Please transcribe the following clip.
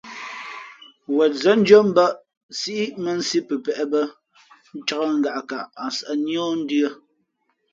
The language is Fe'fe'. Wen nzᾱndʉ̄ᾱ mbα̌ʼ, nsíʼ mᾱ nsǐ pəpēʼ bᾱ, ncǎk ngaʼkaʼ ǎ sᾱʼ níάh ndʉ̄ᾱ.